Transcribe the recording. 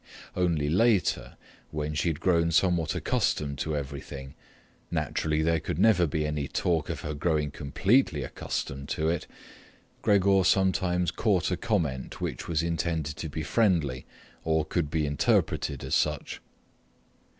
Only later, when she had grown somewhat accustomed to everything—naturally there could never be any talk of her growing completely accustomed to it—Gregor sometimes caught a comment which was intended to be friendly or could be interpreted as such.